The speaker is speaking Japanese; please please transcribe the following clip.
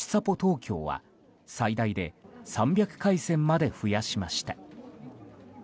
ぽ東京は最大で３００回線まで増やしました。